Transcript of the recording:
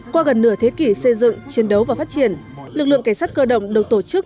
qua gần nửa thế kỷ xây dựng chiến đấu và phát triển lực lượng cảnh sát cơ động được tổ chức